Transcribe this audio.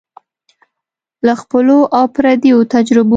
له خپلو او پردیو تجربو